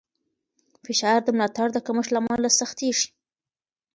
فشار د ملاتړ د کمښت له امله سختېږي.